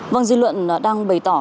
văn duy luận đang bày tỏ